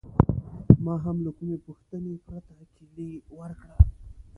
ما هم له کومې پوښتنې پرته کیلي ورکړه.